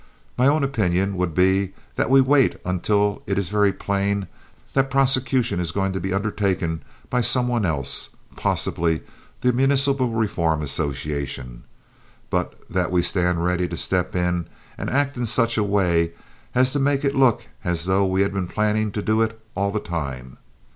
My own opinion would be that we wait until it is very plain that prosecution is going to be undertaken by some one else—possibly the Municipal Reform Association—but that we stand ready to step in and act in such a way as to make it look as though we had been planning to do it all the time.